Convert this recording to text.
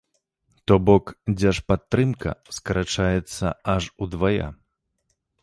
То бок, дзяржпадтрымка скарачаецца аж удвая!